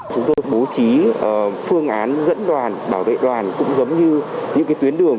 chúng tôi bố trí phương án dẫn đoàn bảo vệ đoàn cũng giống như những tuyến đường